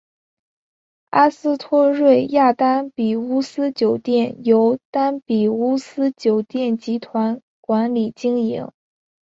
阿斯托瑞亚丹比乌斯酒店由丹比乌斯酒店集团管理经营。